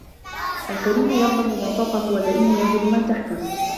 الكريم يظلم من فوقه واللئيم يظلم من تحته